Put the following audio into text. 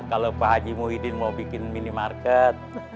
kalau pak haji muhyiddin mau bikin minimarket